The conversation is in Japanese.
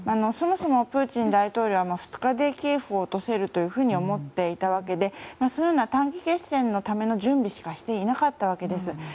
そもそもプーチン大統領は２日でキエフを落とせると思っていたわけでそういう短期決戦の準備しかしていなかったわけです。